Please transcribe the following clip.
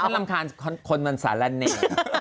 เพราะฉันรำคาญว่าคนมันสารแนะ